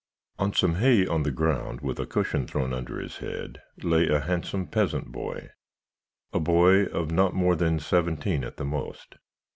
"On some hay on the ground, with a cushion thrown under his heady lay a handsome peasant boy a boy of not more than seventeen at the most.